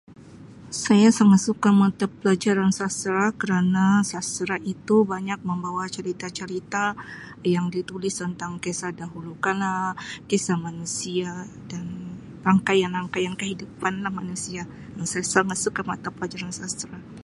Saya sangat suka mata pelajaran sastera kerana sastera itu banyak membawa cerita-cerita yang ditulis tentang kisah dahulu kala, kisah manusia dan rangkaian-rangkaian kehidupan lah manusia. Saya sangat suka mata pelajaran sastera.